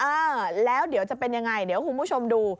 เออแล้วเดี๋ยวจะเป็นยังไงเดี๋ยวคุณผู้ชมดู